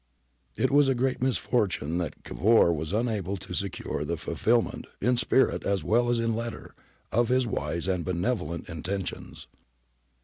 ^ It was a great misfortune that Cavour was unable to secure the fulfilment, in spirit as well as in letter, of his wise and benevolent intentions.